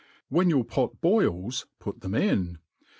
When yOur pot bolls, put them in.